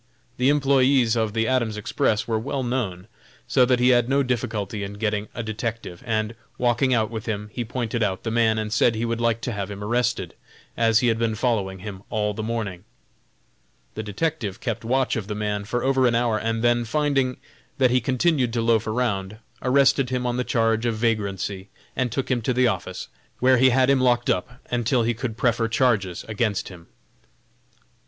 The employés of the Adams Express were well known, so that he had no difficulty in getting a detective, and, walking out with him, he pointed out the man, and said he would like to have him arrested, as he had been following him all the morning. The detective kept watch of the man for over an hour, and then, finding that he continued to loaf around, arrested him on the charge of vagrancy and took him to the office, where he had him locked up until he could prefer charges against him.